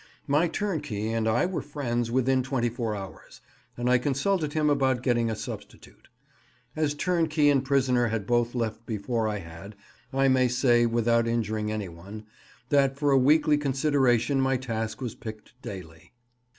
My turnkey and I were friends within twenty four hours, and I consulted him about getting a substitute. As turnkey and prisoner had both left before I had, I may say, without injuring anyone, that for a weekly consideration my task was picked daily.